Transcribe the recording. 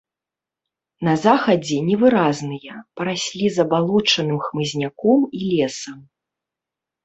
На захадзе невыразныя, параслі забалочаным хмызняком і лесам.